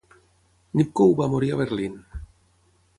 Nipkow va morir a Berlín.